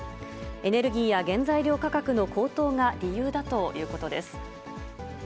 エネルギーや原材料価格の高騰が理由だということです。